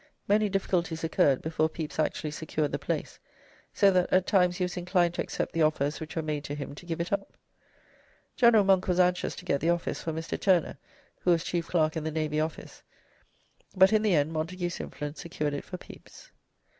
Many difficulties occurred before Pepys actually secured the place, so that at times he was inclined to accept the offers which were made to him to give it up. General Monk was anxious to get the office for Mr. Turner, who was Chief Clerk in the Navy Office, but in the end Montagu's influence secured it for Pepys.